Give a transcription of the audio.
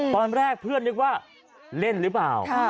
ตอนแรกเพื่อนนึกว่าเล่นหรือเปล่า